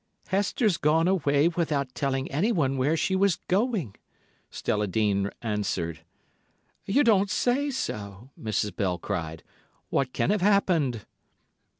"Hester's gone away without telling anyone where she was going," Stella Dean answered. "You don't say so," Mrs. Bell cried. "What can have happened?"